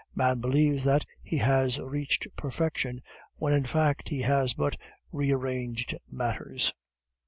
Man believes that he has reached perfection, when in fact he has but rearranged matters."